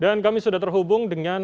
dan kami sudah terhubung dengan